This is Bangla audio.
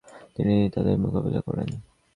তিনি তাদের মোকাবিলা করেন।